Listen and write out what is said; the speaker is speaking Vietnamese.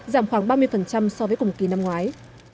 giảm khoảng ba mươi so với cùng kỳ năm ngoái